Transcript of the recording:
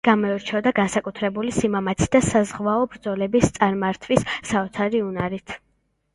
გამოირჩეოდა განსაკუთრებული სიმამაცით და საზღვაო ბრძოლების წარმართვის საოცარი უნარით.